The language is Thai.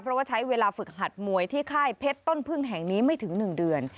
เพราะว่าใช้เวลาฝึกหัดมวยที่ค่ายเพชรต้นพึ่งแห่งนี้ไม่ถึง๑เดือน